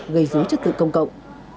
gây dối chất tự công cộng